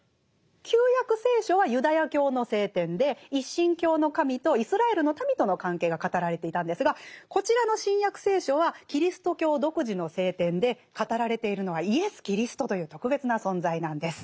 「旧約聖書」はユダヤ教の聖典で一神教の神とイスラエルの民との関係が語られていたんですがこちらの「新約聖書」はキリスト教独自の聖典で語られているのはイエス・キリストという特別な存在なんです。